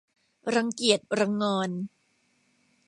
รังเกียจรังงอน